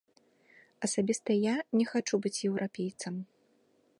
Асабіста я не хачу быць еўрапейцам.